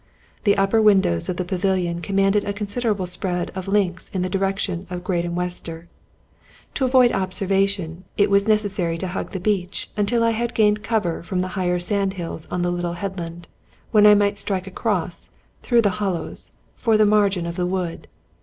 The upper windows of the pavilion commanded a consid erable spread of links in the direction of Graden Wester. To avoid observation, it was necessary to hug the beach until I had gained cover from the higher sand hills on the little headland, when I might strike across, through the hollows, for the margin of the wood.